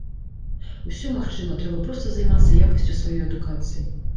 Усё магчыма, трэба проста займацца якасцю сваёй адукацыі.